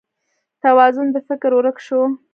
توازون د فکر ورک شو